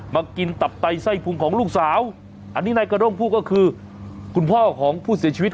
มากินตับไตไส้พุงของลูกสาวอันนี้นายกระด้งพูดก็คือคุณพ่อของผู้เสียชีวิต